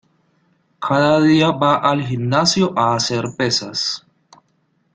Cada día va al gimnasio a hacer pesas.